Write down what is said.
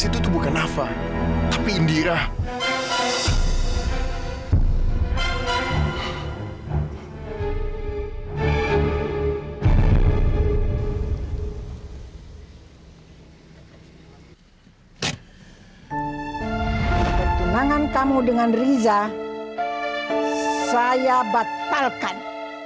tunangan kamu dengan riza saya batalkan